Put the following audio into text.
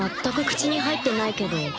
全く口に入ってないけど。